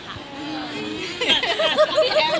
ก็ให้ผู้ชายพบก่อนดีกว่าค่ะ